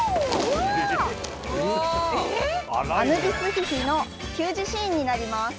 アヌビスヒヒの給餌シーンになります